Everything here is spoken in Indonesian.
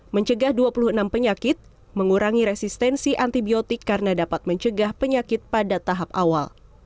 mencegah dua puluh enam penyakit mengurangi resistensi antibiotik karena dapat mencegah penyakit pada tahap awal